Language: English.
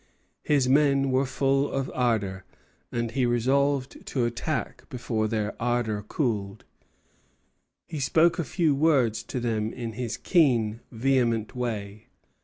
His men were full of ardor, and he resolved to attack before their ardor cooled. He spoke a few words to them in his keen, vehement way.